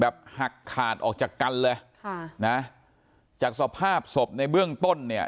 หักขาดออกจากกันเลยค่ะนะจากสภาพศพในเบื้องต้นเนี่ย